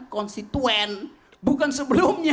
konstituen bukan sebelumnya